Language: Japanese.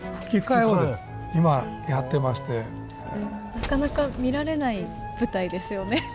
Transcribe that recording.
なかなか見られない舞台ですよね。